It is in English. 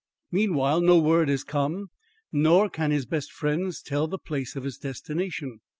Meanwhile, no word has come, nor can his best friends tell the place of his destination.